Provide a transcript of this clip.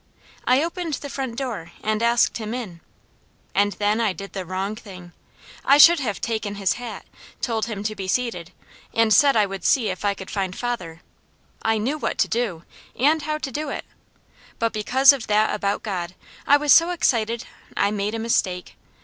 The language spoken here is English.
I opened the front door and asked him in, and then I did the wrong thing. I should have taken his hat, told him to be seated, and said I would see if I could find father; I knew what to do, and how to do it, but because of that about God, I was so excited I made a mistake.